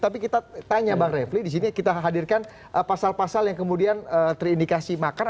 tapi kita tanya bang refli di sini kita hadirkan pasal pasal yang kemudian terindikasi makar